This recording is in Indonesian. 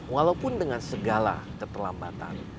walaupun dengan segala keterlambatan